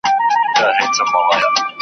تاته د مفتون او د زهرا خندا یادیږي؟